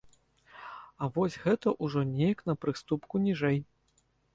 А вось гэта ўжо неяк на прыступку ніжэй.